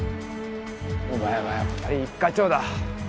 お前はやっぱり一課長だ。